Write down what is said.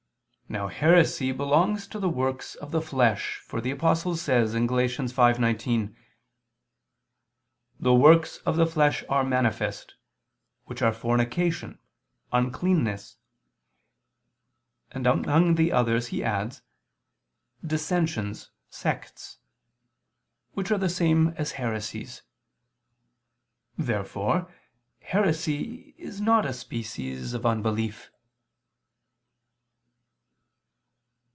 Now heresy belongs to the works of the flesh, for the Apostle says (Gal. 5:19): "The works of the flesh are manifest, which are fornication, uncleanness," and among the others, he adds, "dissensions, sects," which are the same as heresies. Therefore heresy is not a species of unbelief.